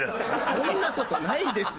そんな事ないですよ。